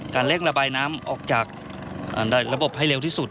เร่งระบายน้ำออกจากระบบให้เร็วที่สุด